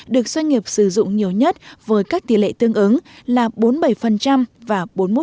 được doanh nghiệp sử dụng nhiều nhất với các tỷ lệ tương ứng là bốn mươi bảy và bốn mươi một